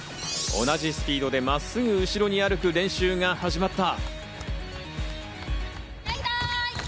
同じスピードで真っすぐ後ろに歩く練習が始まった。